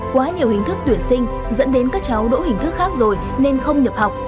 quá nhiều hình thức tuyển sinh dẫn đến các cháu đỗ hình thức khác rồi nên không nhập học